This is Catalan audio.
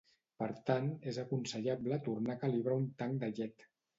Per tant, és aconsellable tornar a calibrar un tanc de llet.